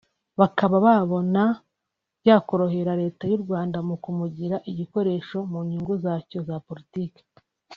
bakaba babona byakorohera Leta y’u Rwanda mu kumugira igikoresho mu nyungu zacyo za politiki